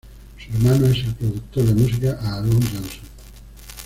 Su hermano es el productor de música Aaron Johnson.